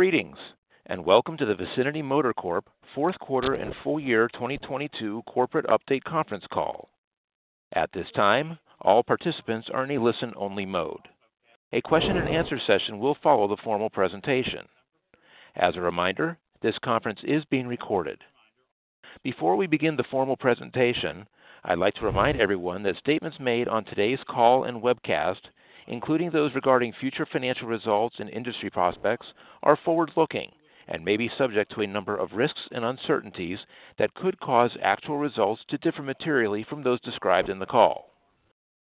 Greetings, and welcome to the Vicinity Motor Corp Fourth Quarter and Full Year 2022 corporate update conference call. At this time, all participants are in a listen-only mode. A question and answer session will follow the formal presentation. As a reminder, this conference is being recorded. Before we begin the formal presentation, I'd like to remind everyone that statements made on today's call and webcast, including those regarding future financial results and industry prospects, are forward-looking and may be subject to a number of risks and uncertainties that could cause actual results to differ materially from those described in the call.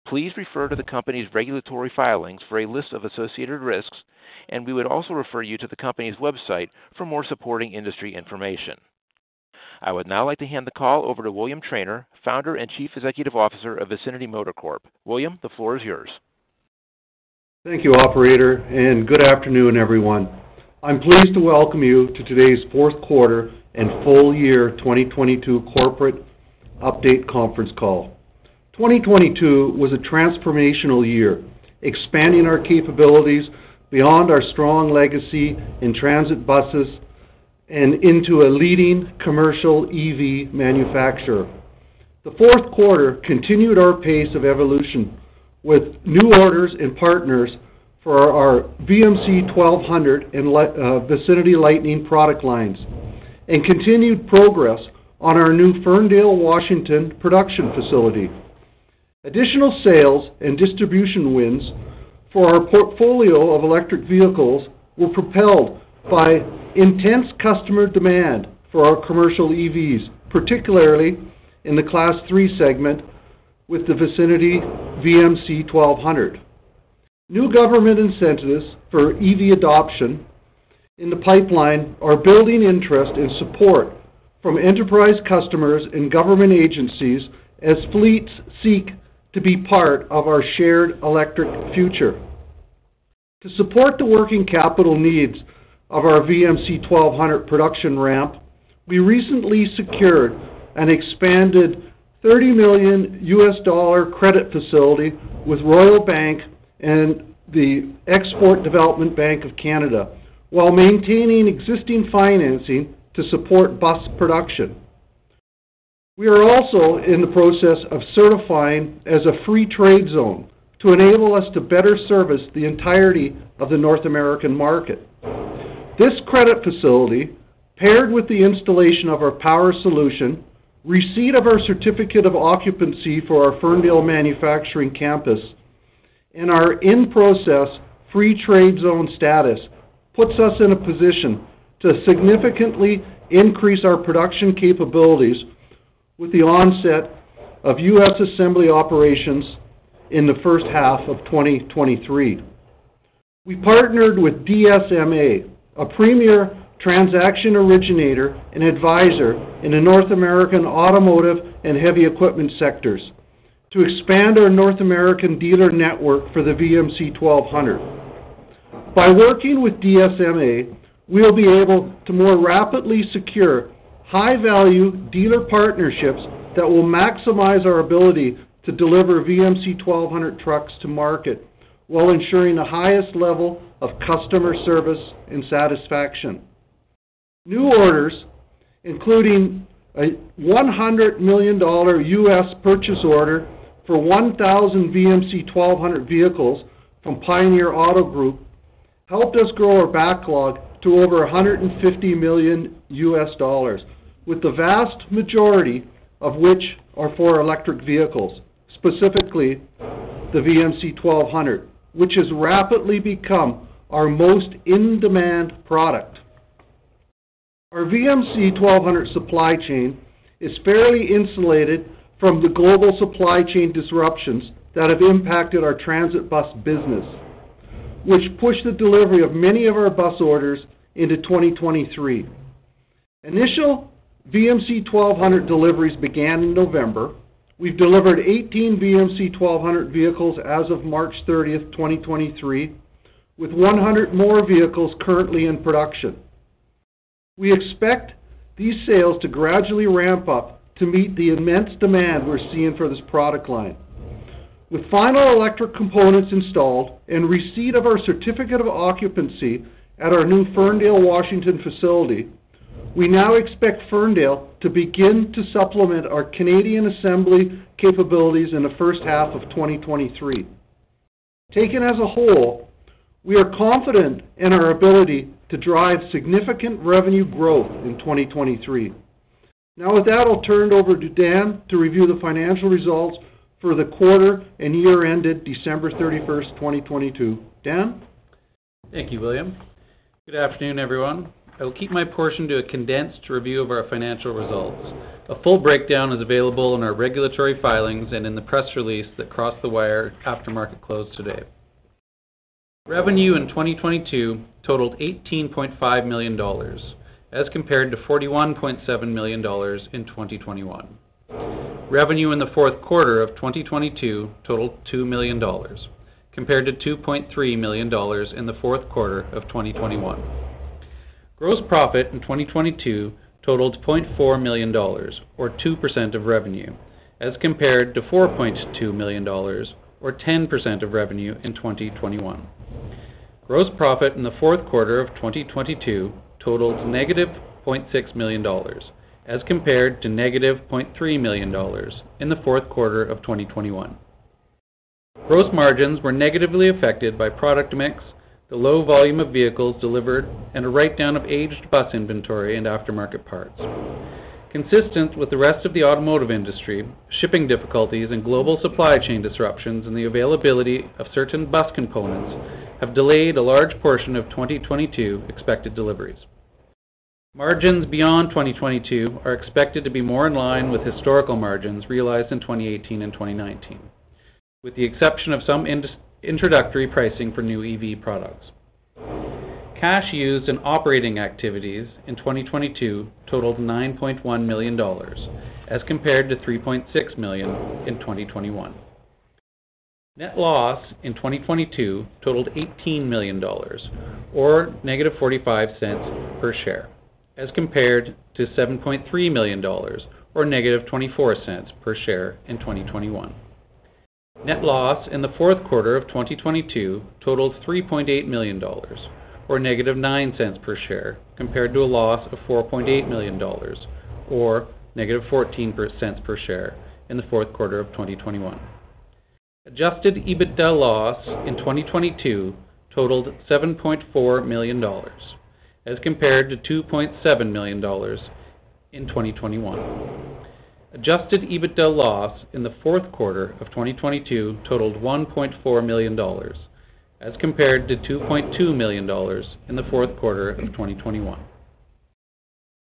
Please refer to the company's regulatory filings for a list of associated risks, and we would also refer you to the company's website for more supporting industry information. I would now like to hand the call over to William Trainer, Founder and Chief Executive Officer of Vicinity Motor Corp. William, the floor is yours. Thank you, operator, and good afternoon, everyone. I'm pleased to welcome you to today's Fourth Quarter and Full Year 2022 Corporate Update Conference Call. 2022 was a transformational year, expanding our capabilities beyond our strong legacy in transit buses and into a leading commercial EV manufacturer. The fourth quarter continued our pace of evolution with new orders and partners for our VMC 1200 and Vicinity Lightning product lines and continued progress on our new Ferndale, Washington production facility. Additional sales and distribution wins for our portfolio of electric vehicles were propelled by intense customer demand for our commercial EVs, particularly in the Class 3 segment with the Vicinity VMC 1200. New government incentives for EV adoption in the pipeline are building interest and support from enterprise customers and government agencies as fleets seek to be part of our shared electric future. To support the working capital needs of our VMC 1200 production ramp, we recently secured an expanded $30 million credit facility with Royal Bank and Export Development Canada while maintaining existing financing to support bus production. We are also in the process of certifying as a free trade zone to enable us to better service the entirety of the North American market. This credit facility, paired with the installation of our power solution, receipt of our certificate of occupancy for our Ferndale manufacturing campus, and our in-process free trade zone status, puts us in a position to significantly increase our production capabilities with the onset of U.S. assembly operations in the first half of 2023. We partnered with DSMA, a premier transaction originator and advisor in the North American automotive and heavy equipment sectors, to expand our North American dealer network for the VMC 1200. By working with DSMA, we will be able to more rapidly secure high-value dealer partnerships that will maximize our ability to deliver VMC 1200 trucks to market while ensuring the highest level of customer service and satisfaction. New orders, including a $100 million dollar U.S. purchase order for 1,000 VMC 1200 vehicles from Pioneer Auto Group, helped us grow our backlog to over $150 million U.S. dollars, with the vast majority of which are for electric vehicles, specifically the VMC 1200, which has rapidly become our most in-demand product. Our VMC 1200 supply chain is fairly insulated from the global supply chain disruptions that have impacted our transit bus business, which pushed the delivery of many of our bus orders into 2023. Initial VMC 1200 deliveries began in November. We've delivered 18 VMC 1200 vehicles as of March 30th, 2023, with 100 more vehicles currently in production. We expect these sales to gradually ramp up to meet the immense demand we're seeing for this product line. With final electric components installed and receipt of our certificate of occupancy at our new Ferndale, Washington facility, we now expect Ferndale to begin to supplement our Canadian assembly capabilities in the first half of 2023. Taken as a whole, we are confident in our ability to drive significant revenue growth in 2023. Now, with that, I'll turn it over to Dan to review the financial results for the quarter and year ended December 31st, 2022. Dan? Thank you, William. Good afternoon, everyone. I will keep my portion to a condensed review of our financial results. A full breakdown is available in our regulatory filings and in the press release that crossed the wire after market close today. Revenue in 2022 totaled CAD 18.5 million as compared to CAD 41.7 million in 2021. Revenue in the fourth quarter of 2022 totaled CAD 2 million compared to CAD 2.3 million in the fourth quarter of 2021. Gross profit in 2022 totaled 0.4 million dollars or 2% of revenue as compared to 4.2 million dollars or 10% of revenue in 2021. Gross profit in the fourth quarter of 2022 totaled negative 0.6 million dollars as compared to negative 0.3 million dollars in the fourth quarter of 2021. Gross margins were negatively affected by product mix, the low volume of vehicles delivered, and a write-down of aged bus inventory and aftermarket parts. Consistent with the rest of the automotive industry, shipping difficulties and global supply chain disruptions, and the availability of certain bus components have delayed a large portion of 2022 expected deliveries. Margins beyond 2022 are expected to be more in line with historical margins realized in 2018 and 2019, with the exception of some introductory pricing for new EV products. Cash used in operating activities in 2022 totaled $9.1 million, as compared to $3.6 million in 2021. Net loss in 2022 totaled $18 million or -$0.45 per share, as compared to $7.3 million or -$0.24 per share in 2021. Net loss in the fourth quarter of 2022 totaled $3.8 million or negative $0.09 per share, compared to a loss of $4.8 million or negative 14% per share in the fourth quarter of 2021. Adjusted EBITDA loss in 2022 totaled $7.4 million, as compared to $2.7 million in 2021. Adjusted EBITDA loss in the fourth quarter of 2022 totaled $1.4 million, as compared to $2.2 million in the fourth quarter of 2021.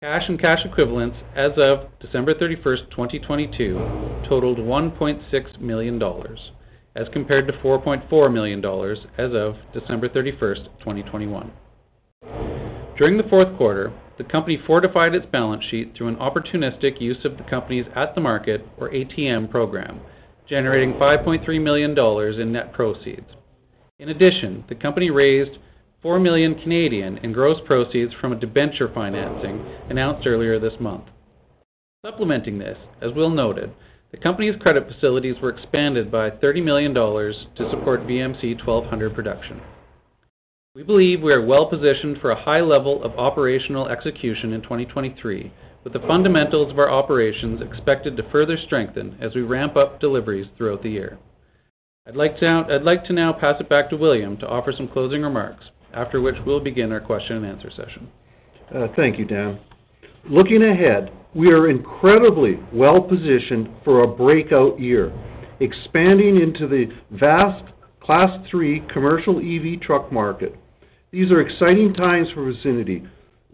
Cash and cash equivalents as of December 31st, 2022 totaled $1.6 million, as compared to $4.4 million as of December 31st, 2021. During the fourth quarter, the company fortified its balance sheet through an opportunistic use of the company's at-the-market, or ATM program, generating 5.3 million dollars in net proceeds. The company raised 4 million in gross proceeds from a debenture financing announced earlier this month. As William noted, the company's credit facilities were expanded by $30 million to support VMC 1200 production. We believe we are well-positioned for a high level of operational execution in 2023, with the fundamentals of our operations expected to further strengthen as we ramp up deliveries throughout the year. I'd like to now pass it back to William to offer some closing remarks, after which we'll begin our question and answer session. Thank you, Dan. Looking ahead, we are incredibly well-positioned for a breakout year, expanding into the vast Class 3 commercial EV truck market. These are exciting times for Vicinity.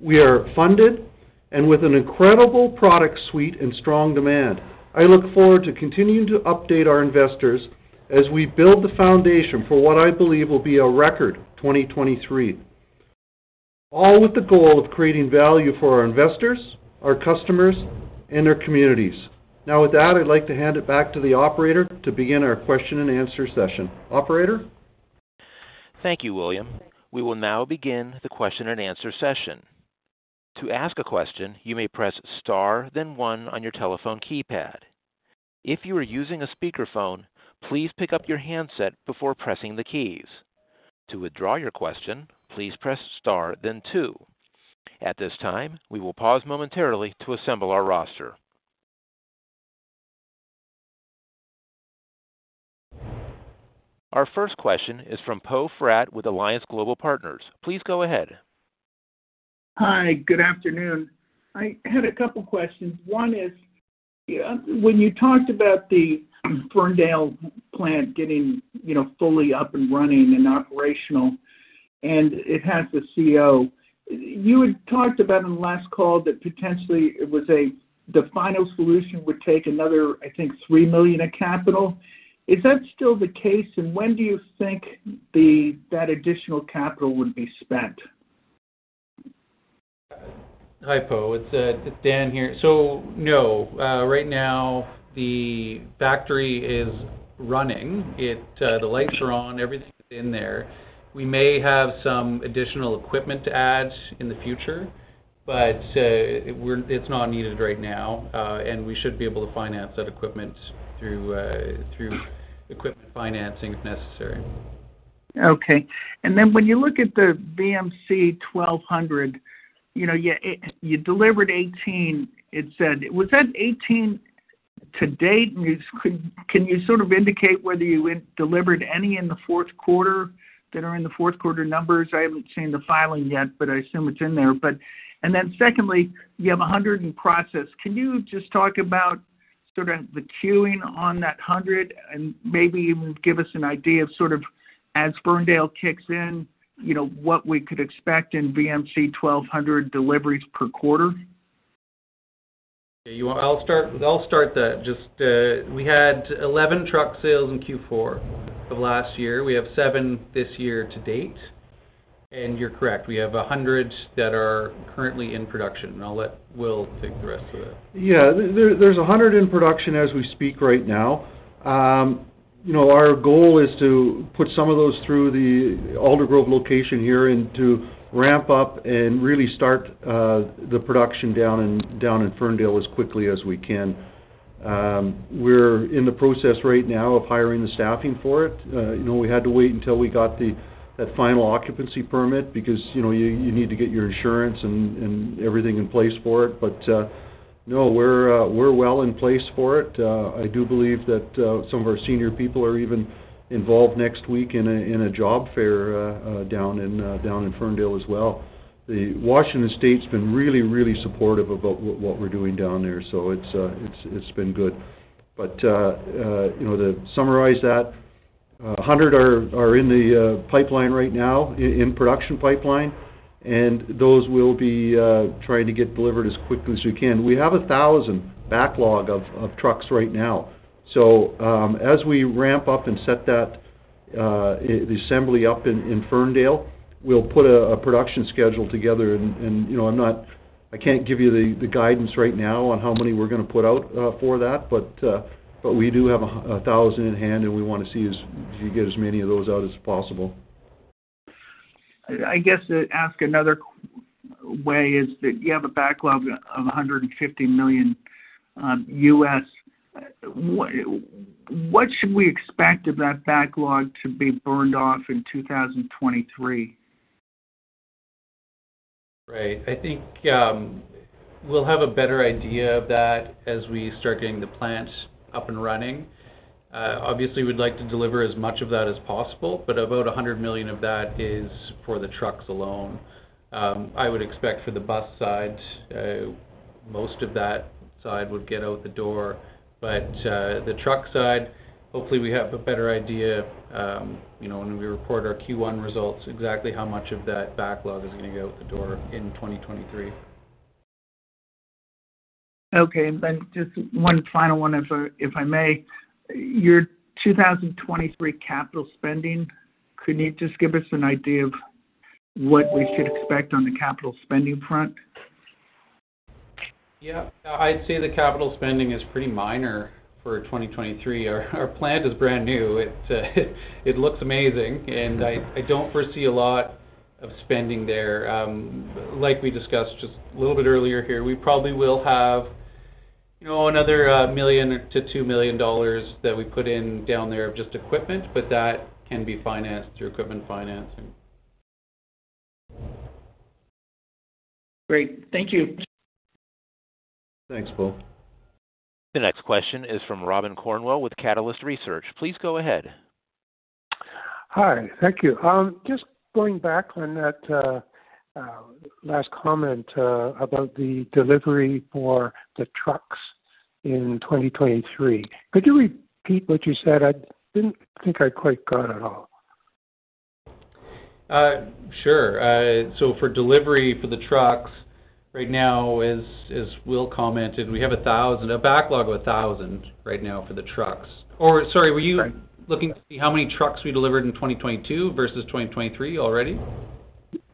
We are funded and with an incredible product suite and strong demand. I look forward to continuing to update our investors as we build the foundation for what I believe will be a record 2023, all with the goal of creating value for our investors, our customers, and our communities. Now with that, I'd like to hand it back to the operator to begin our question-and-answer session. Operator? Thank you, William. We will now begin the question-and-answer session. To ask a question, you may press star then one on your telephone keypad. If you are using a speakerphone, please pick up your handset before pressing the keys. To withdraw your question, please press star then two. At this time, we will pause momentarily to assemble our roster. Our first question is from Poe Fratt with Alliance Global Partners. Please go ahead. Hi. Good afternoon. I had a couple questions. One is, when you talked about the Ferndale plant getting, you know, fully up and running and operational and it has the CO. You had talked about in last call that potentially it was the final solution would take another $3 million of capital. Is that still the case? When do you think the, that additional capital would be spent? Hi, Poe. It's Dan here. No, right now the factory is running. The lights are on, everything's in there. We may have some additional equipment to add in the future, but it's not needed right now. We should be able to finance that equipment through equipment financing if necessary. When you look at the VMC 1200, you delivered 18, it said. Was that 18 to date? Can you sort of indicate whether you delivered any in the fourth quarter that are in the fourth quarter numbers? I haven't seen the filing yet, but I assume it's in there. Secondly, you have 100 in process. Can you just talk about sort of the queuing on that 100 and maybe even give us an idea as Ferndale kicks in, you know, what we could expect in VMC 1200 deliveries per quarter? I'll start that. We had 11 truck sales in Q4 of last year. We have seven this year to date. You're correct, we have 100 that are currently in production. I'll let Will take the rest of it. There's 100 in production as we speak right now. You know, our goal is to put some of those through the Aldergrove location here and to ramp up and really start the production down in Ferndale as quickly as we can. We're in the process right now of hiring the staffing for it. You know, we had to wait until we got that final occupancy permit because, you know, you need to get your insurance and everything in place for it. No, we're well in place for it. I do believe that some of our senior people are even involved next week in a job fair down in Ferndale as well. The Washington State's been really supportive about what we're doing down there, so it's been good. You know, to summarize that, 100 are in the pipeline right now, in production pipeline, and those will be trying to get delivered as quickly as we can. We have a 1,000 backlog of trucks right now. As we ramp up and set that the assembly up in Ferndale, we'll put a production schedule together and I can't give you the guidance right now on how many we're gonna put out for that, but we do have a 1,000 in hand, and we wanna get as many of those out as possible. I guess to ask another way is that you have a backlog of $150 million. What should we expect of that backlog to be burned off in 2023? I think, we'll have a better idea of that as we start getting the plant up and running. Obviously, we'd like to deliver as much of that as possible, but about 100 million of that is for the trucks alone. I would expect for the bus side, most of that side would get out the door. The truck side, hopefully, we have a better idea, you know, when we report our Q1 results, exactly how much of that backlog is going to get out the door in 2023. Okay. Just one final one if I may? Your 2023 capital spending, could you just give us an idea of what we should expect on the capital spending front? I'd say the capital spending is pretty minor for 2023. Our plant is brand new. It looks amazing, and I don't foresee a lot of spending there. Like we discussed just a little bit earlier here, we probably will have, you know, another $1 million to $2 million that we put in down there of just equipment, but that can be financed through equipment financing. Great. Thank you. Thanks, Poe The next question is from Robin Cornwell with Catalyst Research. Please go ahead. Hi. Thank you. Just going back on that last comment about the delivery for the trucks in 2023, could you repeat what you said? I didn't think I quite got it all. Sure. For delivery for the trucks right now, as Will commented, we have a backlog of 1,000 right now for the trucks. Sorry, were you looking to see how many trucks we delivered in 2022 versus 2023 already?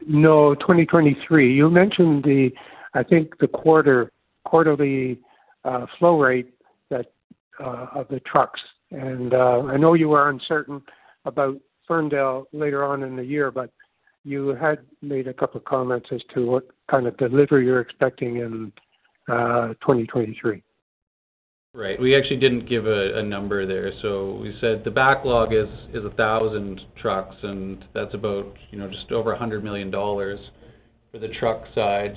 No, 2023. You mentioned the, I think the quarter, quarterly flow rate that of the trucks. I know you are uncertain about Ferndale later on in the year, but you had made a couple comments as to what kind of delivery you're expecting in 2023. Right. We actually didn't give a number there. We said the backlog is 1,000 trucks, and that's about, you know, just over 100 million dollars for the truck side.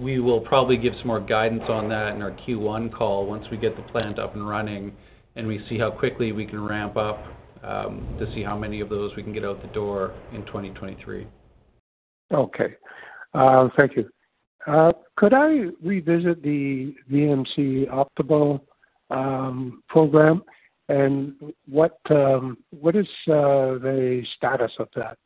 We will probably give some more guidance on that in our Q1 call once we get the plant up and running and we see how quickly we can ramp up to see how many of those we can get out the door in 2023. Okay. Thank you. Could I revisit the VMC Optimal-EV program and what is the status of that?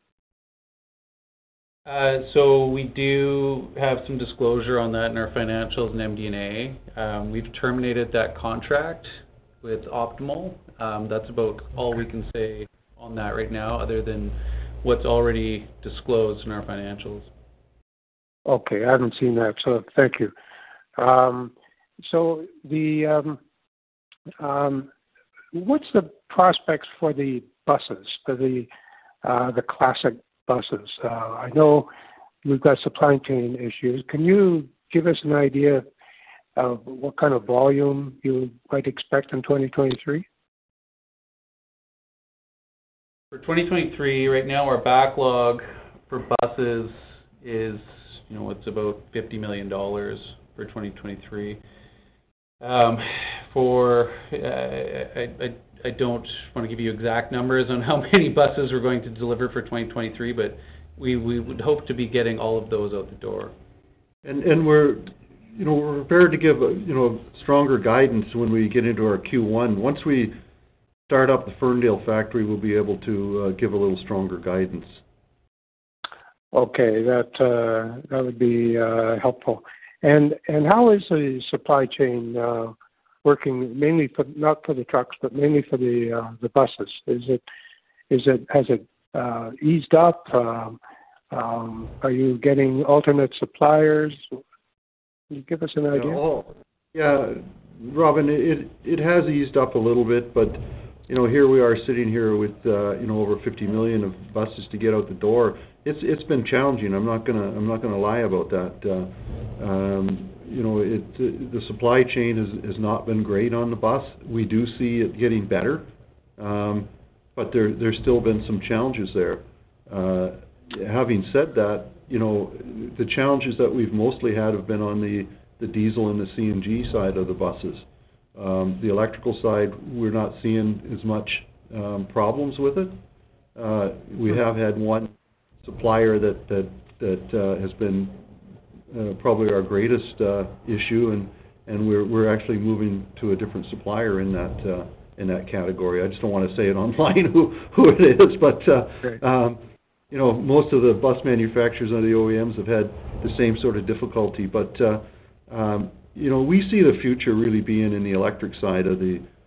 We do have some disclosure on that in our financials in MD&A. We've terminated that contract with Optimal-EV. That's about all we can say on that right now other than what's already disclosed in our financials. Okay. I haven't seen that, so thank you. What's the prospects for the buses, for the Classic buses? I know you've got supply chain issues. Can you give us an idea of what kind of volume you might expect in 2023? For 2023, right now our backlog for buses is, you know, it's about $50 million for 2023. I don't wanna give you exact numbers on how many buses we're going to deliver for 2023, but we would hope to be getting all of those out the door. We're, you know, we're prepared to give a stronger guidance when we get into our Q1. Once we start up the Ferndale factory, we'll be able to give a little stronger guidance. Okay. That would be helpful. How is the supply chain working mainly for, not for the trucks, but mainly for the buses? Has it eased up? Are you getting alternate suppliers? Can you give us an idea? Robin, it has eased up a little bit, you know, here we are sitting here with over 50 million of buses to get out the door. It's been challenging. I'm not gonna lie about that. The supply chain has not been great on the bus. We do see it getting better. There's still been some challenges there. Having said that, you know, the challenges that we've mostly had have been on the diesel and the CNG side of the buses. On the electrical side, we're not seeing as much problems with it. We have had one supplier that has been probably our greatest issue, we're actually moving to a different supplier in that category. I just don't wanna say it online who it is. Most of the bus manufacturers or the OEMs have had the same sort of difficulty. We see the future really being in the electric side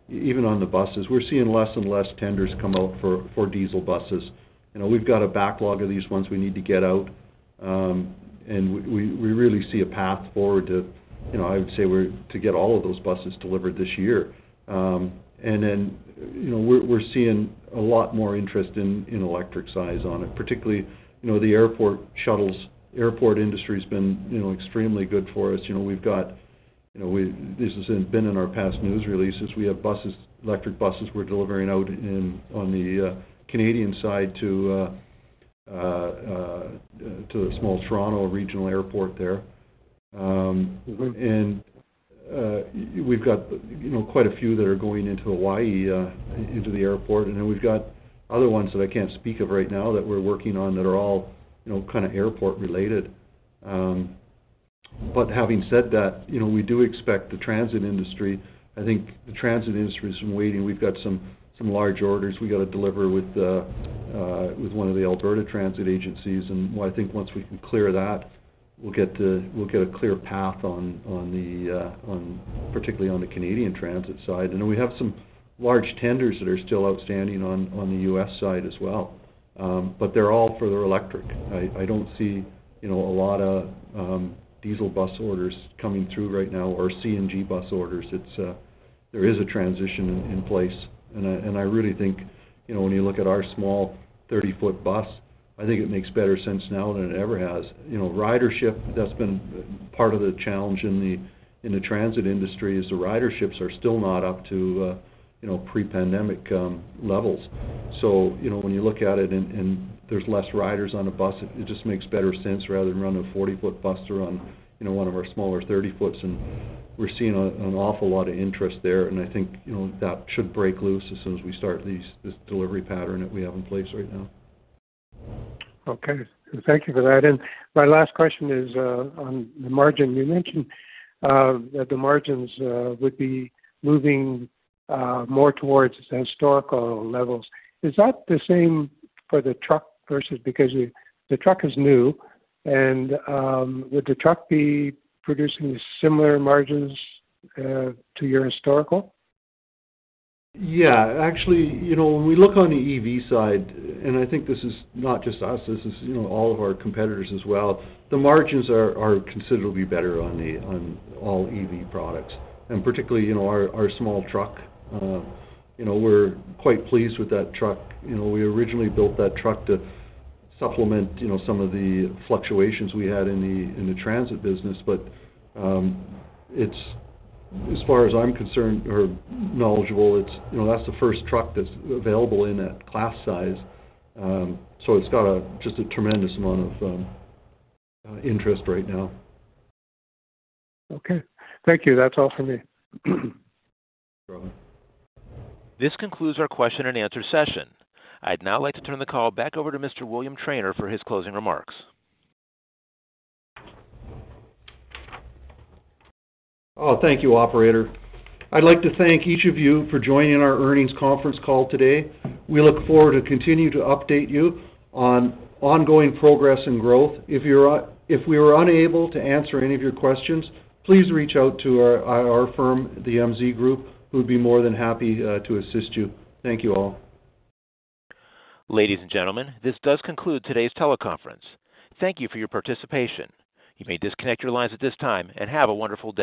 even on the buses, we're seeing less and less tenders come out for diesel buses. We've got a backlog of these ones we need to get out, and we really see a path forward to I would say we're to get all of those buses delivered this year. We're seeing a lot more interest in electric size on it. Particularly, the airport shuttles. Airport industry's been extremely good for us. We've got. This has been in our past news releases. We have buses, electric buses we're delivering out in, on the Canadian side to a small Toronto regional airport there. We've got quite a few that are going into Hawaii, into the airport, and then we've got other ones that I can't speak of right now that we're working on that are all airport-related. Having said that, you know, we do expect the transit industry. I think the transit industry has been waiting. We've got some large orders we gotta deliver with one of the Alberta transit agencies, and well, I think once we can clear that, we'll get a clear path on particularly on the Canadian transit side. I know we have some large tenders that are still outstanding on the U.S. side as well. They're all for their electric. I don't see a lot of diesel bus orders coming through right now or CNG bus orders. There is a transition in place, and I really think when you look at our small 30-foot bus, I think it makes better sense now than it ever has. Ridership, that's been part of the challenge in the transit industry is the riderships are still not up to pre-pandemic, levels. When you look at it and there's less riders on a bus, it just makes better sense rather than run a 40-foot bus to run, one of our smaller 30-foots, and we're seeing an awful lot of interest there, and I think that should break loose as soon as we start these, this delivery pattern that we have in place right now. Thank you for that. My last question is on the margin. You mentioned that the margins would be moving more towards its historical levels. Is that the same for the truck because the truck is new and would the truck be producing similar margins to your historical? Actually, when we look on the EV side, and I think this is not just us, this is all of our competitors as well, the margins are considerably better on all EV products, and particularly our small truck. We're quite pleased with that truck. We originally built that truck to supplement some of the fluctuations we had in the transit business. As far as I'm concerned or knowledgeable, that's the first truck that's available in that Class size. It's just a tremendous amount of interest right now. Okay. Thank you. That's all for me. Thanks, Robin. This concludes our question-and-answer session. I'd now like to turn the call back over to Mr. William Trainer for his closing remarks. Thank you, operator. I'd like to thank each of you for joining our earnings conference call today. We look forward to continuing to update you on ongoing progress and growth. If we were unable to answer any of your questions, please reach out to our IR firm, the MZ Group, who would be more than happy to assist you. Thank you all. Ladies and gentlemen, this does conclude today's teleconference. Thank you for your participation. You may disconnect your lines at this time, and have a wonderful day.